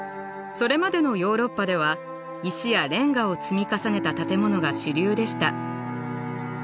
それまでのヨーロッパでは石やレンガを積み重ねた建物が主流でした。